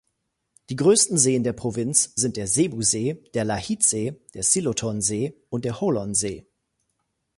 Die größten Seen der Provinz sind der Sebu-See, der Lahit-See, Siloton-See und der Holon-See.